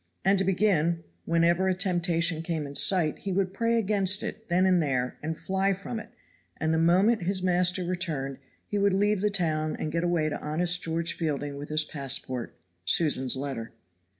And to begin, whenever a temptation came in sight he would pray against it then and there and fly from it, and the moment his master returned he would leave the town and get away to honest George Fielding with his passport Susan's letter.